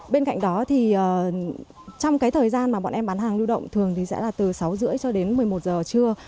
bên cạnh đó thì trong cái thời gian mà bọn em bán hàng lưu động thường thì sẽ là từ sáu h ba mươi cho đến một mươi một giờ trưa